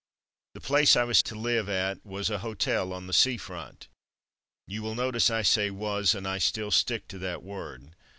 The place I was to live at was a hotel on the sea front. You will notice I say "was,'' and I still stick to that word.